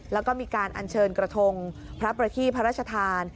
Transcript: แล้วก็มีการอัญเชิญกระทงพระประทีพระราชทาน